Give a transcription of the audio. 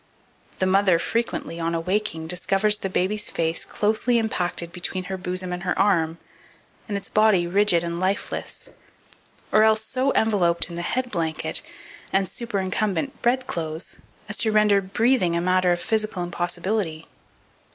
The mother frequently, on awaking, discovers the baby's face closely impacted between her bosom and her arm, and its body rigid and lifeless; or else so enveloped in the "head blanket" and superincumbent bedclothes, as to render breathing a matter of physical impossibility.